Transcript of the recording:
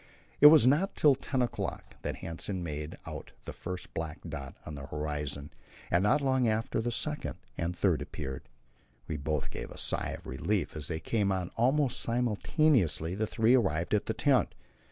It was not till ten o'clock that Hanssen made out the first black dot on the horizon, and not long after the second and third appeared. We both gave a sigh of relief as they came on; almost simultaneously the three arrived at the tent.